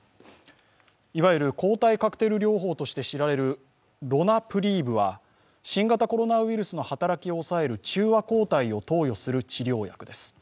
いわゆる抗体カクテル療法として知られるロナプリーブは新型コロナウイルスの働きを抑える中和抗体を投与する治療薬です。